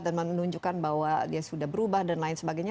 dan menunjukkan bahwa dia sudah berubah dan lain sebagainya